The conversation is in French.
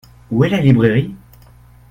Où est la librairie ?